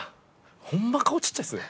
ホンマ顔ちっちゃいですね。